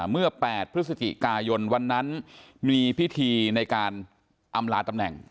เมื่อ๘พฤศจิกายนวันนั้นมีพิธีในการอำลาตำแหน่ง